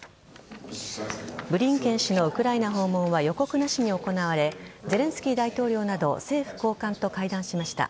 ブリンケン氏のウクライナ訪問は予告なしに行われゼレンスキー大統領など政府高官と会談しました。